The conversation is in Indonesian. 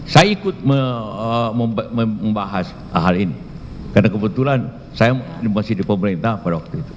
saya ikut membahas hal ini karena kebetulan saya masih di pemerintah pada waktu itu